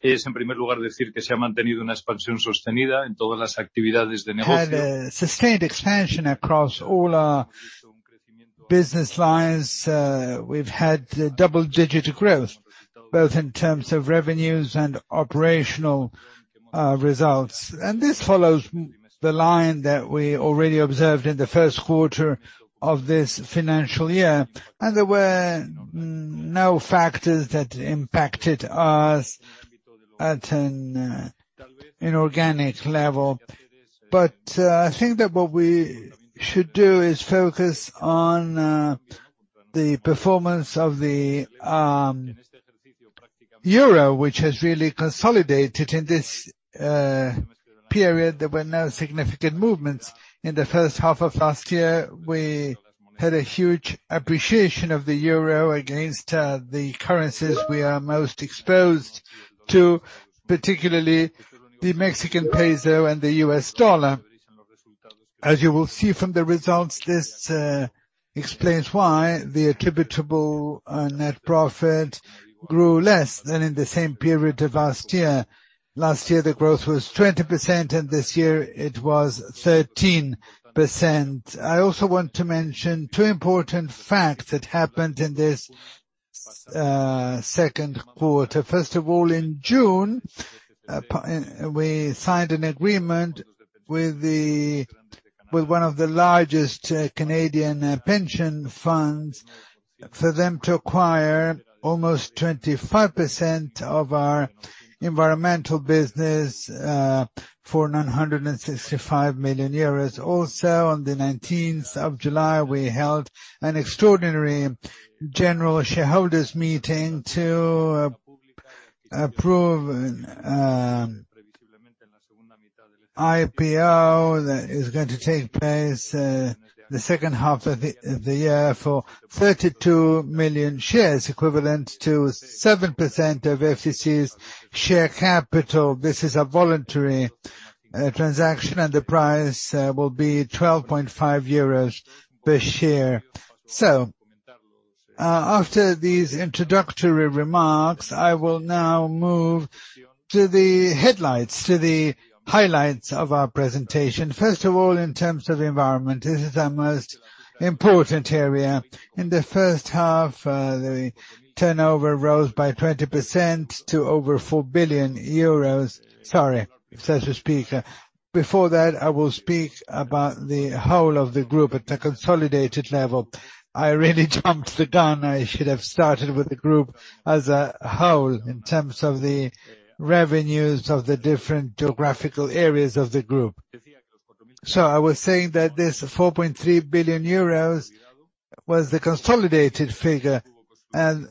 Es en primer lugar, decir que se ha mantenido una expansión sostenida en todas las actividades de negocio. Had a sustained expansion across all our business lines. We've had double-digit growth, both in terms of revenues and operational results. This follows the line that we already observed in the first quarter of this financial year, and there were no factors that impacted us at an organic level. I think that what we should do is focus on the performance of the Euro, which has really consolidated in this period. There were no significant movements in the first half of last year. We had a huge appreciation of the Euro against the currencies we are most exposed to, particularly the Mexican peso and the US dollar. As you will see from the results, this explains why the attributable net profit grew less than in the same period of last year. Last year, the growth was 20%, this year it was 13%. I also want to mention two important facts that happened in this second quarter. First of all, in June, we signed an agreement with the, with one of the largest Canadian pension funds, for them to acquire almost 25% of our environmental business, for 965 million euros. Also, on the 19th of July, we held an Extraordinary General Shareholders Meeting to approve IPO that is going to take place the second half of the year, for 32 million shares, equivalent to 7% of FCC's share capital. This is a voluntary transaction, and the price will be 12.5 euros per share. After these introductory remarks, I will now move to the headlights, to the highlights of our presentation. First of all, in terms of the environment, this is our most important area. In the first half, the turnover rose by 20% to over 4 billion euros. Sorry, so to speak. Before that, I will speak about the whole of the group at the consolidated level. I really jumped the gun. I should have started with the group as a whole, in terms of the revenues of the different geographical areas of the group. I was saying that this 4.3 billion euros was the consolidated figure, and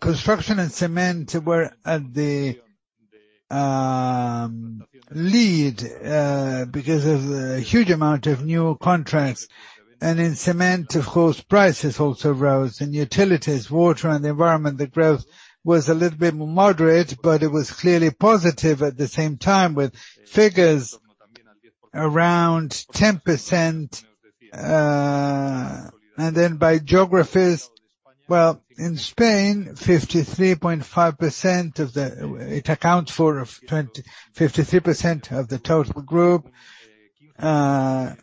construction and cement were at the lead because of the huge amount of new contracts. In cement, of course, prices also rose. In utilities, water, and the environment, the growth was a little bit more moderate, but it was clearly positive at the same time, with figures around 10%. By geographies, well, in Spain, 53.5% of the... It accounts for 53% of the total group. It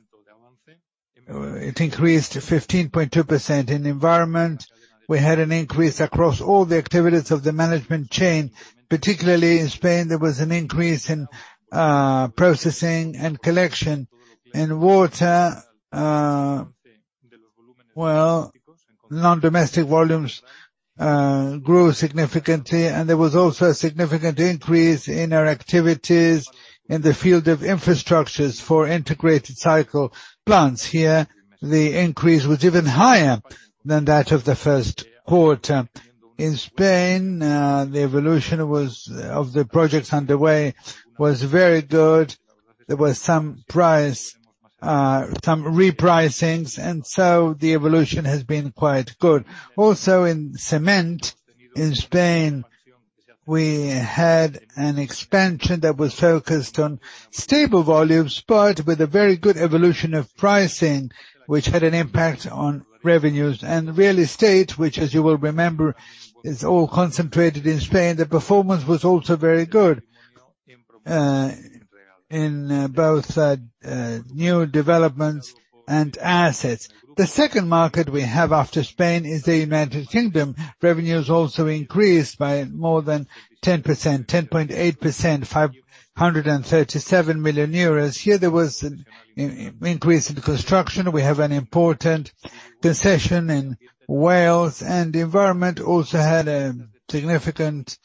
increased to 15.2%. In environment, we had an increase across all the activities of the management chain. Particularly in Spain, there was an increase in processing and collection. In water, well, non-domestic volumes grew significantly, and there was also a significant increase in our activities in the field of infrastructures for integrated cycle plants. Here, the increase was even higher than that of the first quarter. In Spain, the evolution was, of the projects underway, was very good. There was some price, some repricings, and so the evolution has been quite good. Also, in cement in Spain, we had an expansion that was focused on stable volumes, but with a very good evolution of pricing, which had an impact on revenues. Real estate, which, as you will remember, is all concentrated in Spain. The performance was also very good in both new developments and assets. The second market we have after Spain is the United Kingdom. Revenues also increased by more than 10%, 10.8%, 537 million euros. Here, there was an increase in construction. We have an important concession in Wales. The environment also had a significant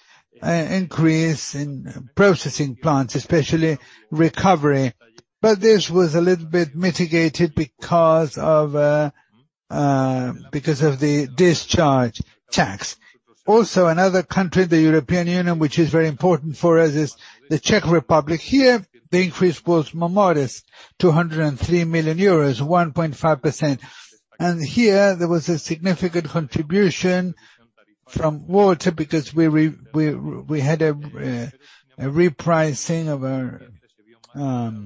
increase in processing plants, especially recovery, but this was a little bit mitigated because of the discharge tax. Another country, the European Union, which is very important for us, is the Czech Republic. Here, the increase was more modest, 203 million euros, 1.5%. Here, there was a significant contribution from water, because we had a repricing of our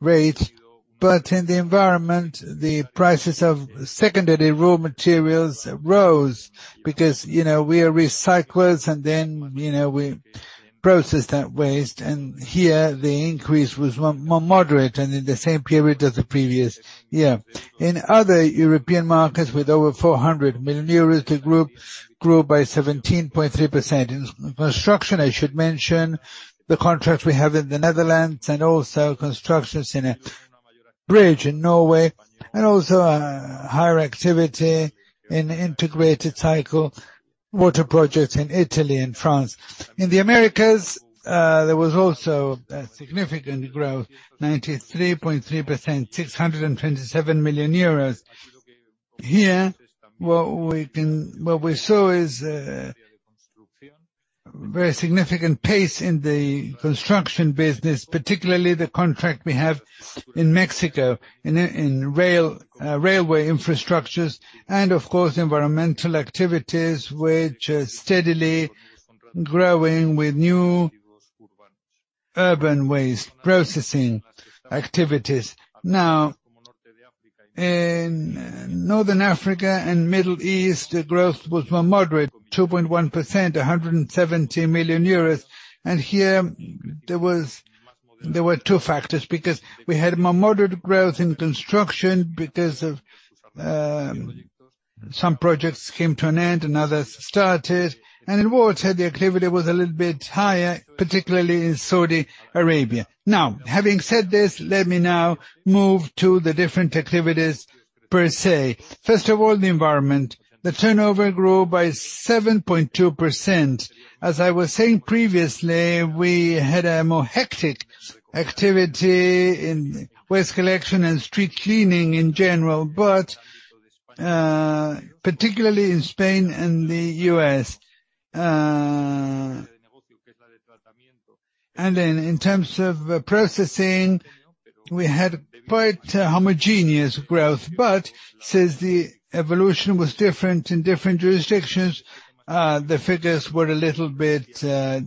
rate, but in the environment, the prices of secondary raw materials rose because, you know, we are recyclers, and then, you know, we process that waste, and here, the increase was more, more moderate than in the same period as the previous year. In other European markets, with over 400 million euros, the group grew by 17.3%. In construction, I should mention the contract we have in the Netherlands and also constructions in a bridge in Norway, and also a higher activity in integrated cycle water projects in Italy and France. In the Americas, there was also a significant growth, 93.3%, 627 million euros. Here, what we saw is a very significant pace in the construction business, particularly the contract we have in Mexico, in, in rail, railway infrastructures and, of course, environmental activities, which are steadily growing with new urban waste processing activities. In Northern Africa and Middle East, the growth was more moderate, 2.1%, 170 million euros. Here, there were two factors, because we had more moderate growth in construction because of some projects came to an end, and others started, and in water, the activity was a little bit higher, particularly in Saudi Arabia. Having said this, let me now move to the different activities per se. First of all, the environment. The turnover grew by 7.2%. As I was saying previously, we had a more hectic activity in waste collection and street cleaning in general, but particularly in Spain and the U.S. In terms of processing, we had quite a homogeneous growth, but since the evolution was different in different jurisdictions, the figures were a little bit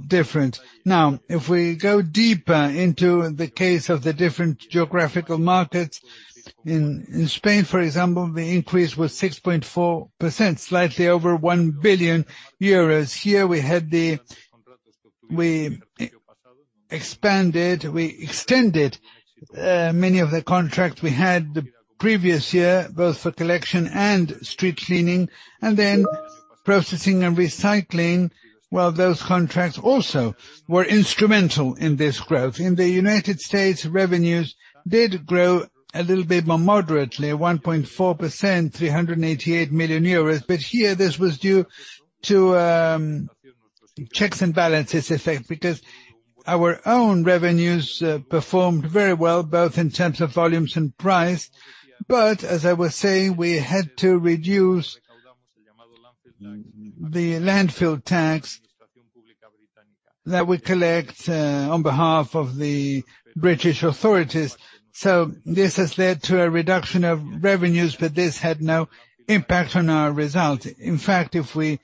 different. Now, if we go deeper into the case of the different geographical markets, in Spain, for example, the increase was 6.4%, slightly over EUR 1 billion. Here, we expanded, we extended many of the contracts we had the previous year, both for collection and street cleaning, and then processing and recycling, well, those contracts also were instrumental in this growth. In the United States, revenues did grow a little bit more moderately, 1.4%, 388 million euros. Here, this was due to checks and balances effect, because our own revenues performed very well, both in terms of volumes and price. As I was saying, we had to reduce the landfill tax that we collect on behalf of the British authorities. This has led to a reduction of revenues. This had no impact on our result. In fact, if we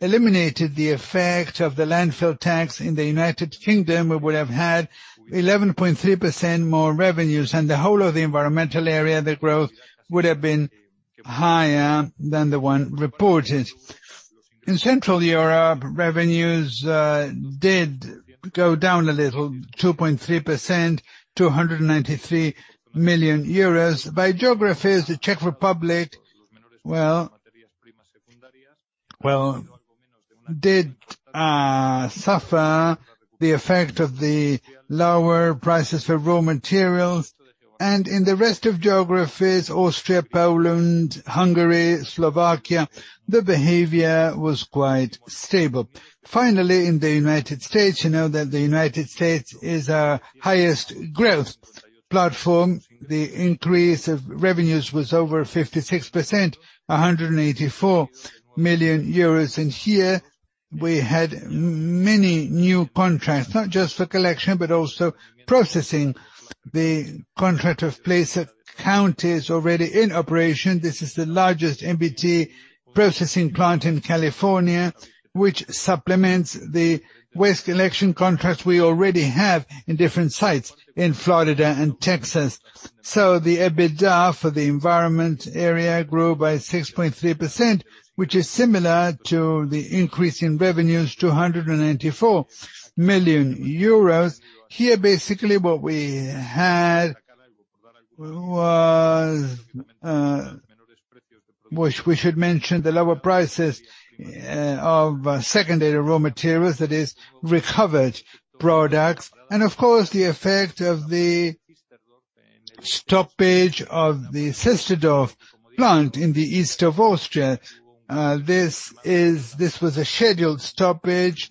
eliminated the effect of the landfill tax in the United Kingdom, we would have had 11.3% more revenues, and the whole of the environmental area, the growth would have been higher than the one reported. In Central Europe, revenues did go down a little, 2.3% to 193 million euros. By geographies, the Czech Republic, well, did suffer the effect of the lower prices for raw materials. In the rest of geographies, Austria, Poland, Hungary, Slovakia, the behavior was quite stable. Finally, in the United States, you know that the United States is our highest growth platform. The increase of revenues was over 56%, 184 million euros, and here we had many new contracts, not just for collection, but also processing. The contract of Placer County is already in operation. This is the largest MBT processing plant in California, which supplements the waste collection contracts we already have in different sites in Florida and Texas. The EBITDA for the environment area grew by 6.3%, which is similar to the increase in revenues to 194 million euros. Here, basically, what we had was, which we should mention, the lower prices of secondary raw materials, that is recovered products, and of course, the effect of the stoppage of the Seestedorf plant in the east of Austria. This was a scheduled stoppage,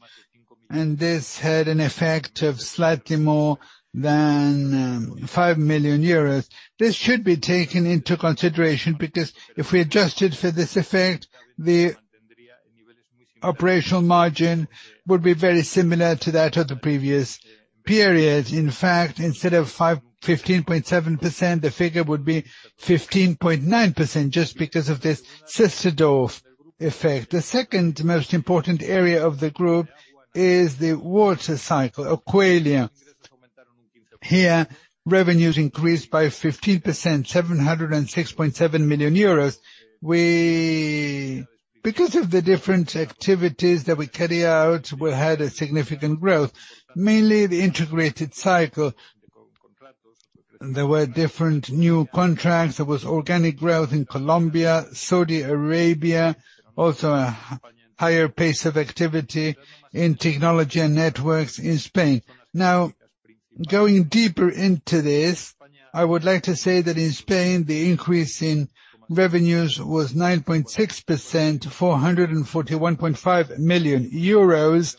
and this had an effect of slightly more than 5 million euros. This should be taken into consideration, because if we adjusted for this effect, the operational margin would be very similar to that of the previous period. In fact, instead of 15.7%, the figure would be 15.9% just because of this Seestedorf effect. The second most important area of the group is the water cycle, Aqualia. Here, revenues increased by 15%, 706.7 million euros. We, because of the different activities that we carry out, we had a significant growth, mainly the integrated water cycle. There were different new contracts. There was organic growth in Colombia, Saudi Arabia, also a higher pace of activity in technology and networks in Spain. Now, going deeper into this, I would like to say that in Spain, the increase in revenues was 9.6%, 441.5 million euros.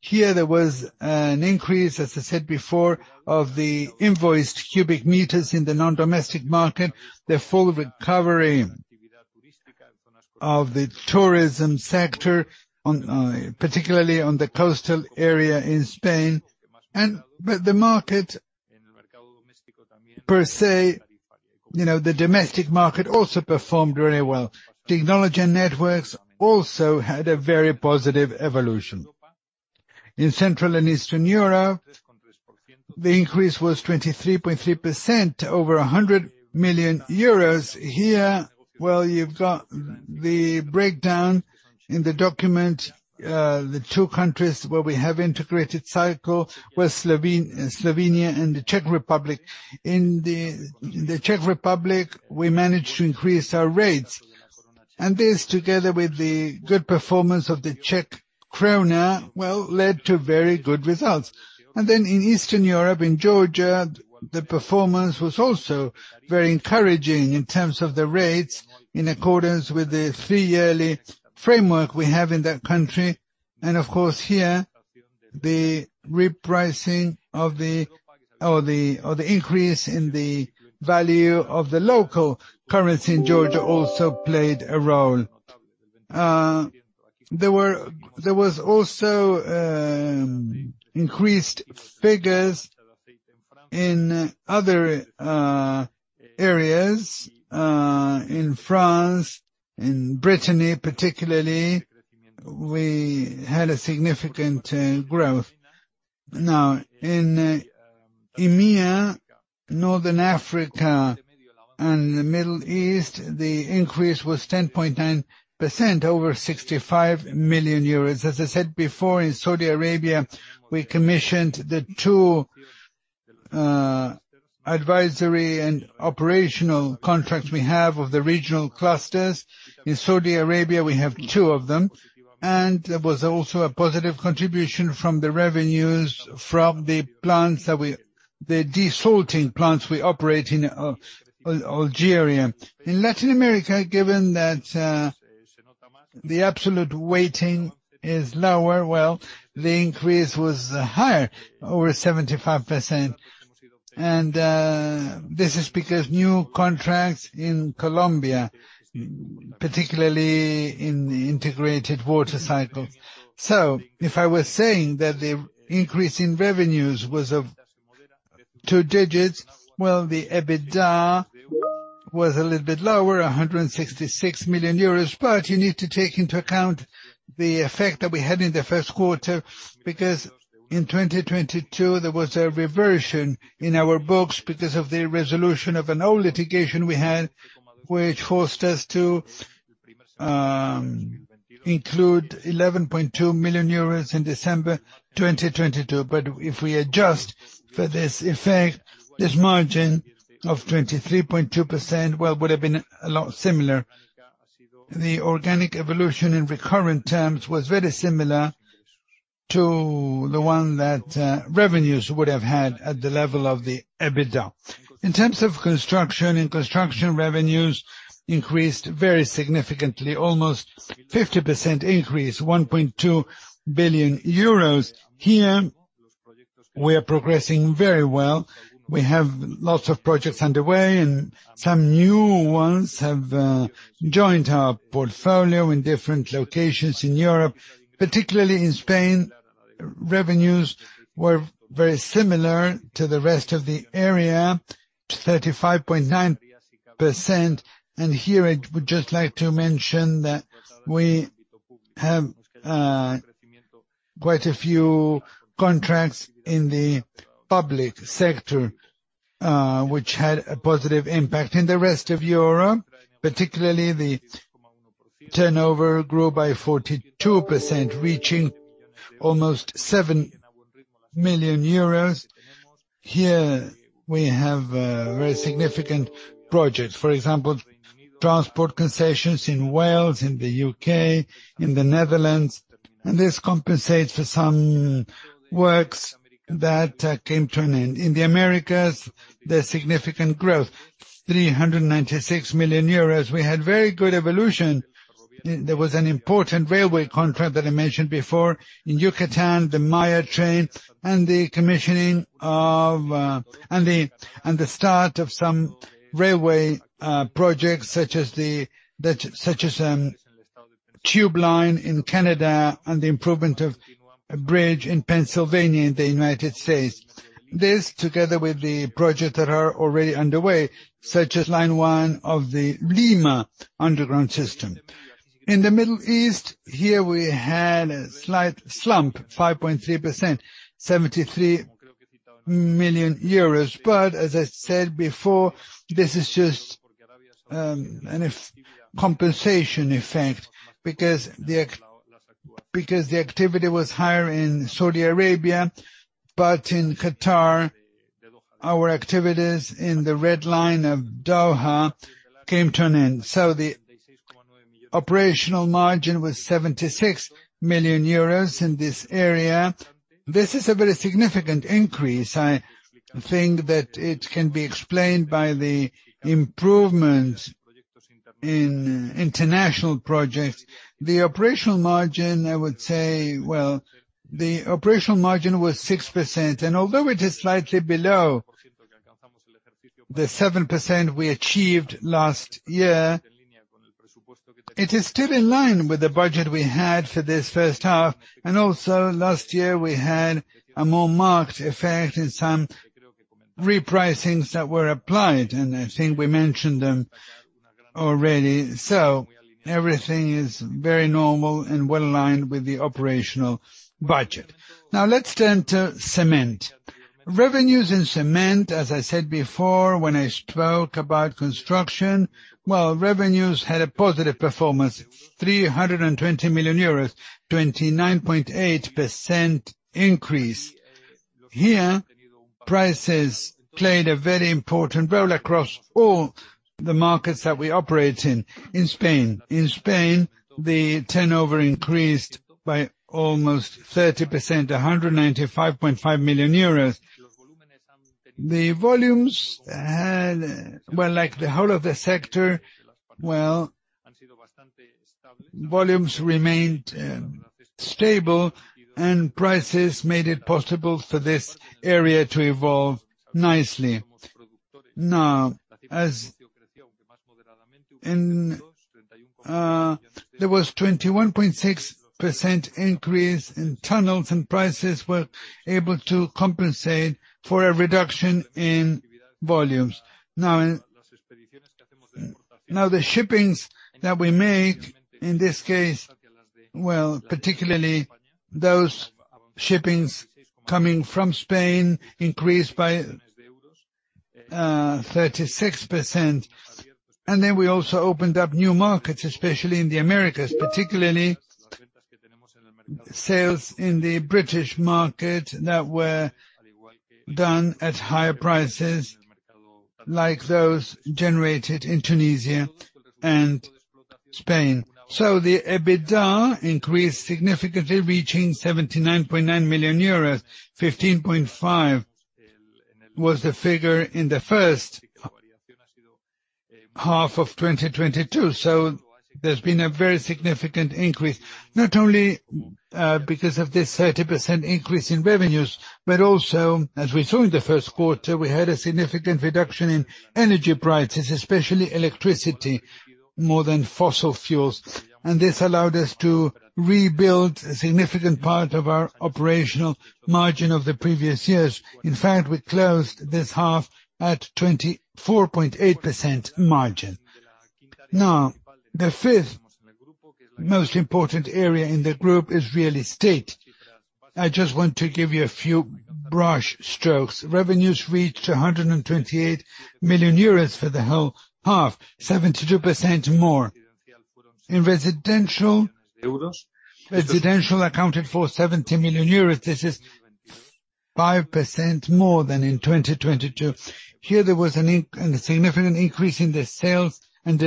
Here, there was an increase, as I said before, of the invoiced cubic meters in the non-domestic market, the full recovery of the tourism sector on, particularly on the coastal area in Spain. The market, per se, you know, the domestic market also performed very well. Technology and networks also had a very positive evolution. In Central and Eastern Europe, the increase was 23.3%, over 100 million euros. Here, well, you've got the breakdown in the document. The two countries where we have integrated cycle were Slovenia and the Czech Republic. In the Czech Republic, we managed to increase our rates, and this, together with the good performance of the Czech koruna, well, led to very good results. In Eastern Europe, in Georgia, the performance was also very encouraging in terms of the rates, in accordance with the 3-yearly framework we have in that country. Of course, here, the repricing of the or the increase in the value of the local currency in Georgia also played a role. There was also increased figures in other areas. In France, in Brittany, particularly, we had a significant growth. Now, in EMEA, Northern Africa and the Middle East, the increase was 10.9%, over 65 million euros. As I said before, in Saudi Arabia, we commissioned the two, advisory and operational contracts we have of the regional clusters. In Saudi Arabia, we have two of them, and there was also a positive contribution from the revenues from the plants that we, the desalting plants we operate in, Algeria. In Latin America, given that, the absolute weighting is lower, well, the increase was higher, over 75%. This is because new contracts in Colombia, particularly in the integrated water cycle. If I were saying that the increase in revenues was of two digits, well, the EBITDA was a little bit lower, 166 million euros, you need to take into account the effect that we had in the first quarter, because in 2022, there was a reversion in our books because of the resolution of an old litigation we had, which forced us to include 11.2 million euros in December 2022. If we adjust for this effect, this margin of 23.2%, well, would have been a lot similar. The organic evolution in recurrent terms was very similar to the one that revenues would have had at the level of the EBITDA. In terms of construction, in construction, revenues increased very significantly, almost 50% increase, 1.2 billion euros. Here, we are progressing very well. We have lots of projects underway, some new ones have joined our portfolio in different locations in Europe, particularly in Spain. Revenues were very similar to the rest of the area, 35.9%. Here, I would just like to mention that we have quite a few contracts in the public sector, which had a positive impact in the rest of Europe. Particularly, the turnover grew by 42%, reaching almost 7 million euros. Here, we have very significant projects. For example, transport concessions in Wales, in the U.K., in the Netherlands, and this compensates for some works that came to an end. In the Americas, there's significant growth, 396 million euros. We had very good evolution. There was an important railway contract that I mentioned before in Yucatan, the Maya Train, and the commissioning of, and the start of some railway projects such as tube line in Canada, and the improvement of a bridge in Pennsylvania, in the United States. This, together with the projects that are already underway, such as Line 1 of the Lima underground system. In the Middle East, here we had a slight slump, 5.3%, 73 million euros. As I said before, this is just an compensation effect, because the activity was higher in Saudi Arabia, but in Qatar, our activities in the Red Line of Doha came to an end. The operational margin was 76 million euros in this area. This is a very significant increase. I think that it can be explained by the improvement in international projects. The operational margin, I would say, well, the operational margin was 6%, and although it is slightly below the 7% we achieved last year, it is still in line with the budget we had for this first half. Also, last year, we had a more marked effect in some repricings that were applied, and I think we mentioned them already. Everything is very normal and well aligned with the operational budget. Let's turn to cement. Revenues in cement, as I said before, when I spoke about construction, well, revenues had a positive performance, 320 million euros, 29.8% increase. Here, prices played a very important role across all the markets that we operate in. In Spain, the turnover increased by almost 30%, 195.5 million euros. The volumes had. Well, like the whole of the sector, well, volumes remained stable, and prices made it possible for this area to evolve nicely. Now, as in, there was 21.6% increase in tunnels, and prices were able to compensate for a reduction in volumes. The shippings that we make, in this case, well, particularly those shippings coming from Spain, increased by 36%. Then we also opened up new markets, especially in the Americas, particularly sales in the British market that were done at higher prices, like those generated in Tunisia and Spain. The EBITDA increased significantly, reaching 79.9 million euros. 15.5 million was the figure in the first half of 2022. There's been a very significant increase, not only because of this 30% increase in revenues, but also, as we saw in the first quarter, we had a significant reduction in energy prices, especially electricity, more than fossil fuels. This allowed us to rebuild a significant part of our operational margin of the previous years. In fact, we closed this half at 24.8% margin. The fifth most important area in the group is real estate. I just want to give you a few brush strokes. Revenues reached 128 million euros for the whole half, 72% more. In residential, residential accounted for 70 million euros. This is 5% more than in 2022. Here, there was a significant increase in the sales and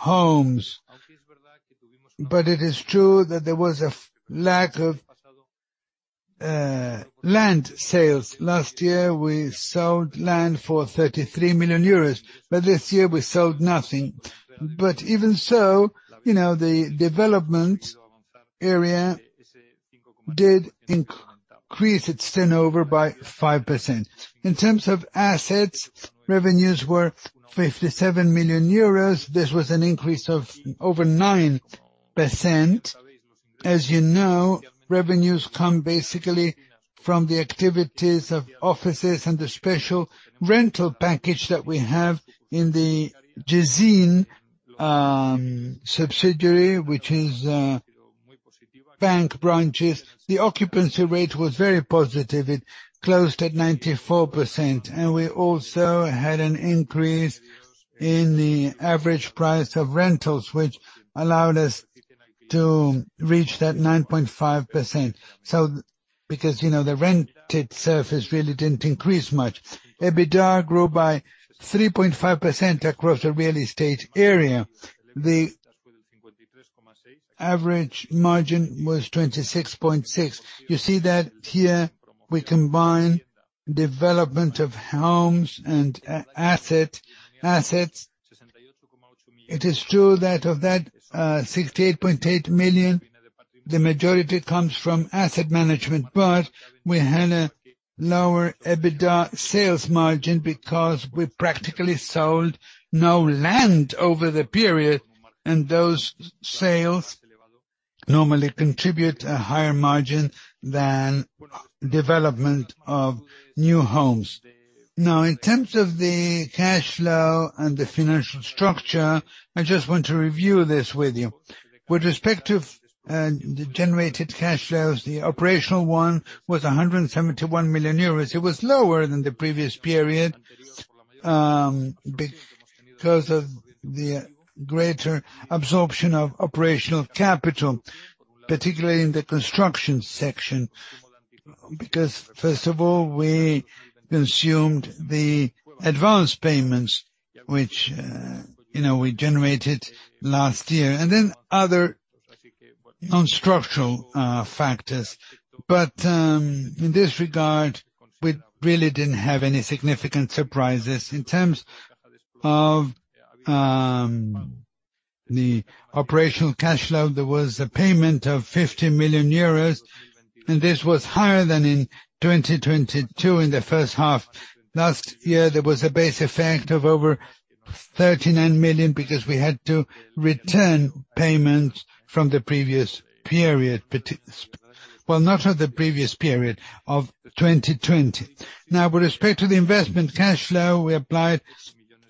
deliveries of homes. It is true that there was a lack of land sales. Last year, we sold land for 33 million euros, but this year we sold nothing. Even so, you know, the development area did increase its turnover by 5%. In terms of assets, revenues were 57 million euros. This was an increase of over 9%. As you know, revenues come basically from the activities of offices and the special rental package that we have in the Jezzine subsidiary, which is bank branches. The occupancy rate was very positive. It closed at 94%, and we also had an increase in the average price of rentals, which allowed us to reach that 9.5%. Because, you know, the rented surface really didn't increase much. EBITDA grew by 3.5% across the real estate area. The average margin was 26.6. You see that here, we combine development of homes and asset, assets. It is true that of that, 68.8 million, the majority comes from asset management, but we had a lower EBITDA sales margin because we practically sold no land over the period, and those sales normally contribute a higher margin than development of new homes. Now, in terms of the cash flow and the financial structure, I just want to review this with you. With respect to the generated cash flows, the operational one was 171 million euros. It was lower than the previous period because of the greater absorption of operational capital, particularly in the construction section. Because first of all, we consumed the advanced payments, which, you know, we generated last year, and then other non-structural factors. In this regard, we really didn't have any significant surprises. In terms of the operational cash flow, there was a payment of 50 million euros, this was higher than in 2022 in the first half. Last year, there was a base effect of over 39 million, because we had to return payments from the previous period, well, not of the previous period, of 2020. With respect to the investment cash flow, we applied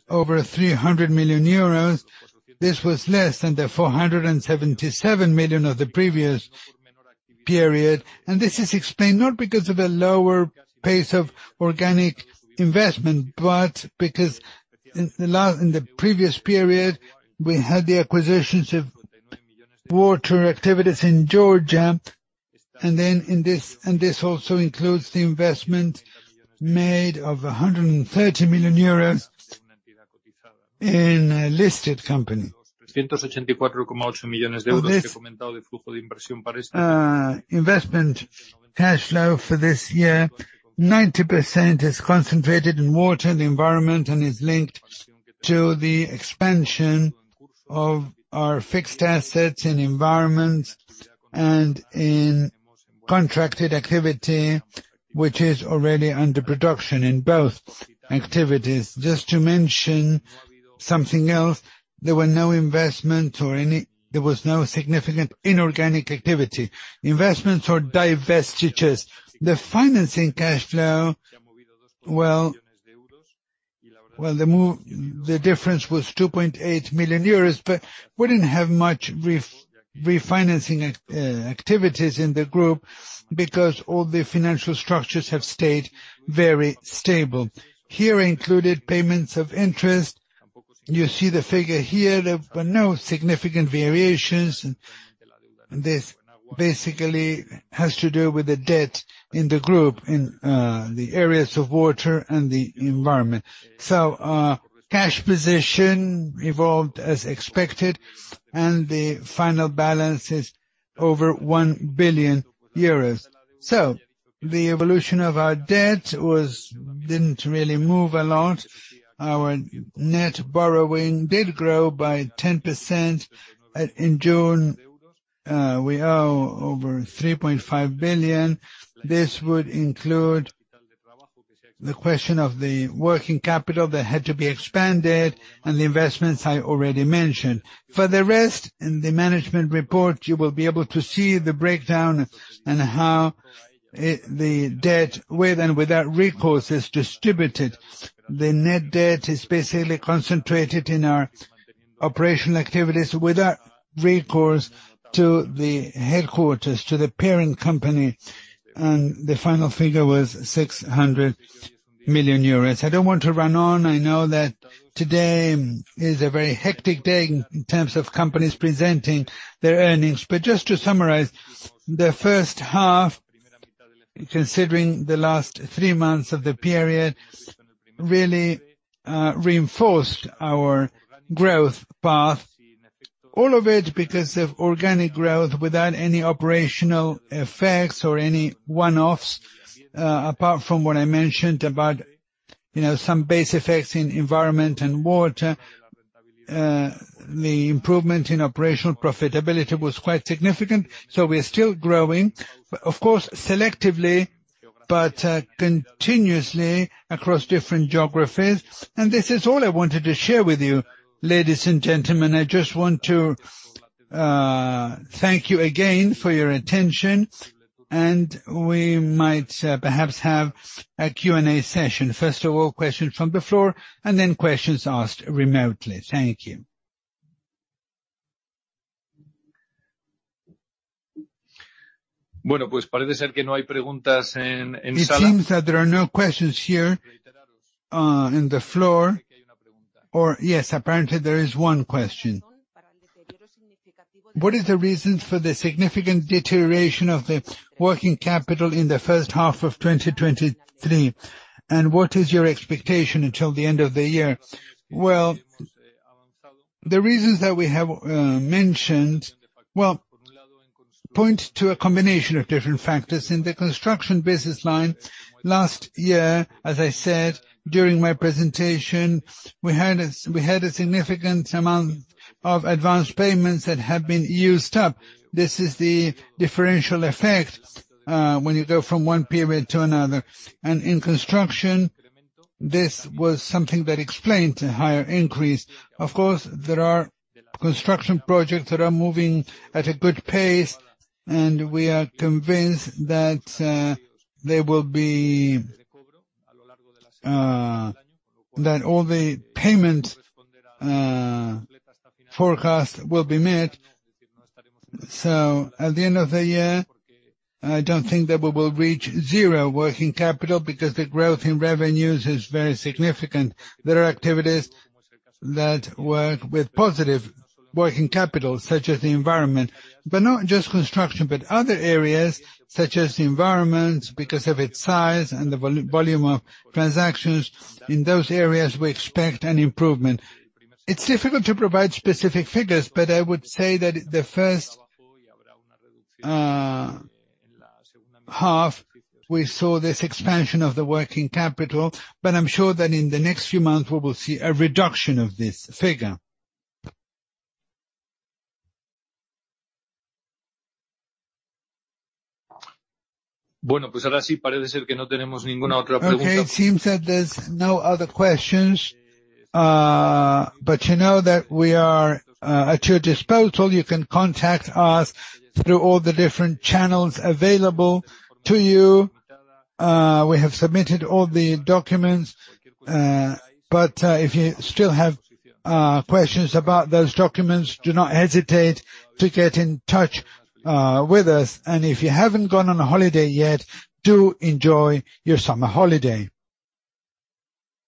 over 300 million euros. This was less than the 477 million of the previous period, this is explained not because of a lower pace of organic investment, but because in the previous period, we had the acquisitions of water activities in Georgia, then in this... This also includes the investment made of 130 million euros in a listed company. Investment cash flow for this year, 90% is concentrated in water and environment, and is linked to the expansion of our fixed assets in environments and in contracted activity, which is already under production in both activities. Just to mention something else, there were no investment or there was no significant inorganic activity. Investments or divestitures. The financing cash flow, the move, the difference was 2.8 million euros, but we didn't have much refinancing activities in the group because all the financial structures have stayed very stable. Here, I included payments of interest. You see the figure here, there were no significant variations, and this basically has to do with the debt in the group, in the areas of water and the environment. Cash position evolved as expected, and the final balance is over 1 billion euros. The evolution of our debt was, didn't really move a lot. Our net borrowing did grow by 10%. In June, we owe over 3.5 billion. This would include the question of the working capital that had to be expanded and the investments I already mentioned. For the rest, in the management report, you will be able to see the breakdown and how the debt, with and without recourse, is distributed. The net debt is basically concentrated in our operational activities, without recourse to the headquarters, to the parent company, and the final figure was 600 million euros. I don't want to run on. I know that today is a very hectic day in terms of companies presenting their earnings. Just to summarize, the first half, considering the last three months of the period, really reinforced our growth path. All of it because of organic growth, without any operational effects or any one-offs, apart from what I mentioned about, you know, some base effects in environment and water. The improvement in operational profitability was quite significant, so we are still growing, of course, selectively, but continuously across different geographies. This is all I wanted to share with you, ladies and gentlemen. I just want to thank you again for your attention, and we might perhaps have a Q&A session. First of all, questions from the floor, and then questions asked remotely. Thank you. Bueno, pues parece ser que no hay preguntas en, en sala- It seems that there are no questions here, in the floor. Or yes, apparently there is one question. What is the reason for the significant deterioration of the working capital in the first half of 2023, and what is your expectation until the end of the year? Well, the reasons that we have mentioned, well, point to a combination of different factors. In the construction business line, last year, as I said during my presentation, we had a significant amount of advanced payments that have been used up. This is the differential effect, when you go from one period to another. In construction, this was something that explained the higher increase. Of course, there are construction projects that are moving at a good pace, and we are convinced that, there will be... that all the payment, forecast will be met. At the end of the year, I don't think that we will reach zero working capital, because the growth in revenues is very significant. There are activities that work with positive working capital, such as the environment, but not just construction, but other areas such as the environment, because of its size and the volume of transactions. In those areas, we expect an improvement. It's difficult to provide specific figures, but I would say that the first half, we saw this expansion of the working capital, but I'm sure that in the next few months, we will see a reduction of this figure. Bueno, pues ahora sí parece ser que no tenemos ninguna otra pregunta. Okay, it seems that there's no other questions, but you know that we are at your disposal. You can contact us through all the different channels available to you. We have submitted all the documents, but if you still have questions about those documents, do not hesitate to get in touch with us. If you haven't gone on a holiday yet, do enjoy your summer holiday.